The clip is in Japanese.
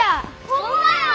ホンマや！